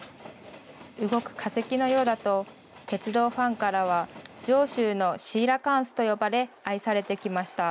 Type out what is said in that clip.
動く化石のようだと、鉄道ファンからは、上州のシーラカンスと呼ばれ、愛されてきました。